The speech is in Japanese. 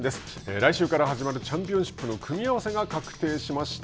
来週から始まるチャンピオンシップの組み合わせが確定しました。